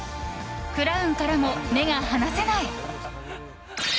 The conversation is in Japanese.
クラウンからも目が離せない。